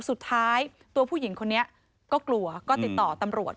สุดท้ายตัวผู้หญิงคนนี้ก็กลัวก็ติดต่อตำรวจ